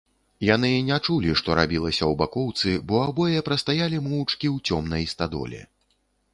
Яны не чулі, што рабілася ў бакоўцы, бо абое прастаялі моўчкі ў цёмнай стадоле.